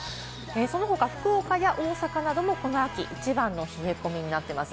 その他、福岡や大阪なども、この秋一番の冷え込みとなっています。